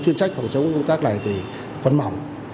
chuyên trách phòng chống công tác này thì phấn mỏng